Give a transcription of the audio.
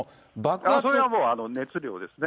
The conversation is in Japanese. それはもう熱量ですね。